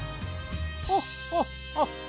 ホッホッホッ！